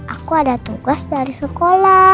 aku ada tugas dari sekolah